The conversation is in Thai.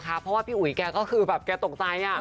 เพราะว่าพี่อุ๋ยแกก็คือแบบแกตกใจ